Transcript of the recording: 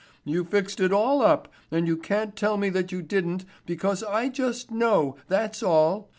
You fixed it all up and you can't tell me that you didn't because I just know, that's all.